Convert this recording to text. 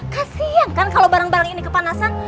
kasian kan kalau barang barang ini kepanasan